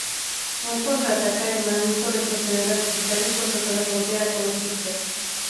Un contraataque alemán hizo retroceder a los británicos hasta la frontera con Egipto.